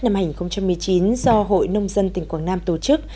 năm hai nghìn một mươi chín do hội nông dân tỉnh quảng nam tổ chức